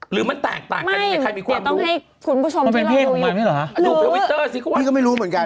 หรือนี่ก็ไม่รู้เหมือนกัน